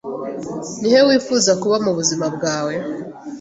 Ni he wifuza kuba mu buzima bwawe